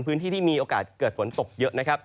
พื้นที่ที่มีโอกาสเกิดฝนตกเยอะ